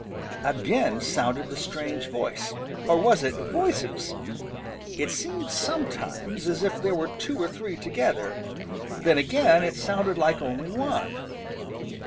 Again sounded the strange voice, or was it voices? It seemed sometimes as if there were two or three together. Then again it sounded like only one.